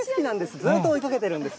ずっと追いかけてるんです。